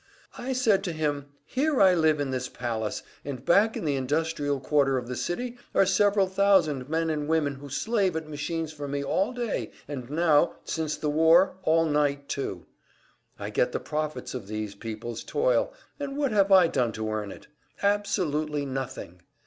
"I said to him, `Here I live in this palace, and back in the industrial quarter of the city are several thousand men and women who slave at machines for me all day, and now, since the war, all night too. I get the profits of these peoples' toil and what have I done to earn it? Absolutely nothing!